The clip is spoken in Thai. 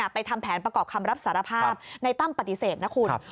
ทำแผนประกอบคำรับสารภาพในตั้มปฏิเสธนะคุณ